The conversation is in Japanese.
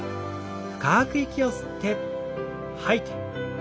深く息を吸って吐いて。